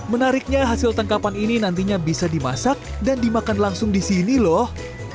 menariknya hasil tangkapan ini nantinya bisa dimasak dan dimakan langsung di sini loh